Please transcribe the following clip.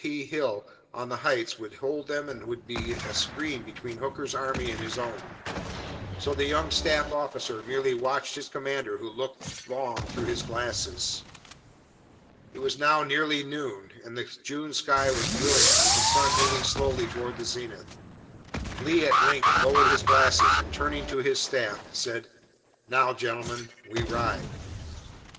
P. Hill on the heights would hold them and would be a screen between Hooker's army and his own. So the young staff officer merely watched his commander who looked long through his glasses. It was now nearly noon, and the June sky was brilliant with the sun moving slowly toward the zenith. Lee at length lowered his glasses and, turning to his staff, said: "Now, gentlemen, we ride."